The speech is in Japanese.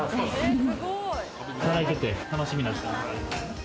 働いてて楽しみな時間は？